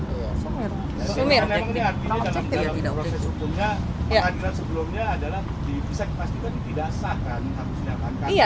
berarti semua fakta persidangan itu dianggap tidak tidak sah dong mirip mirip mirip mirip mirip